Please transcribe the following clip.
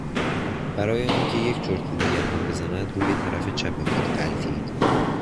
برای آنکه یک چرت دیگر هم بزند روی طرف چپ خود غلتید.